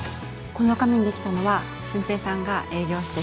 この紙にできたのは俊平さんが営業して